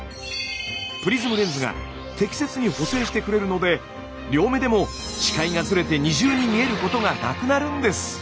プリズムレンズが適切に補正してくれるので両目でも視界がずれて２重に見えることがなくなるんです！